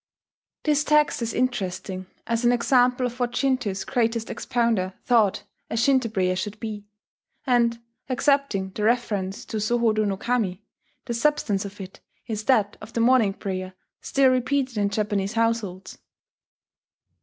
] This text is interesting as an example of what Shinto's greatest expounder thought a Shinto prayer should be; and, excepting the reference to So ho do no Kami, the substance of it is that of the morning prayer still repeated in Japanese households.